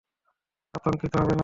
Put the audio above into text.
আতঙ্কিত হবে না!